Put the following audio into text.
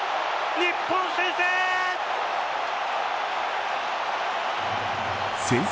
日本先制。